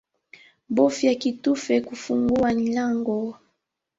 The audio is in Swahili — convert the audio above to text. Bofya kitufe kufungua nlyango